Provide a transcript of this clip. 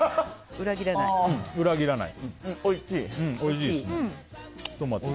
裏切らない。